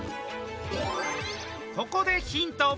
ここでヒント。